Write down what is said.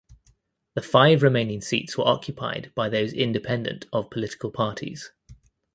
The five remaining seats were occupied by those independent of political parties.